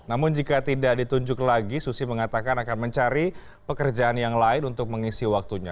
namun jika tidak ditunjuk lagi susi mengatakan akan mencari pekerjaan yang lain untuk mengisi waktunya